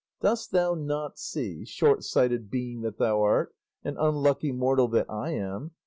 Dost thou not see shortsighted being that thou art, and unlucky mortal that I am!